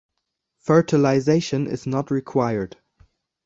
Fertilization is not required.